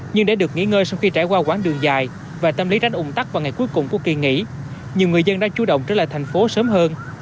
nhưng để được nghỉ ngơi sau khi trải qua quãng đường dài và tâm lý tránh ủng tắc vào ngày cuối cùng của kỳ nghỉ nhiều người dân đã chủ động trở lại thành phố sớm hơn